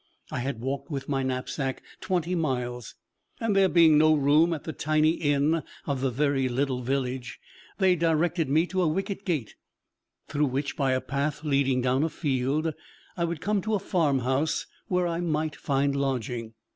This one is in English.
I had walked with my knapsack twenty miles; and, there being no room at the tiny inn of the very little village, they directed me to a wicket gate, through which by a path leading down a field I would come to a farmhouse where I might find lodging.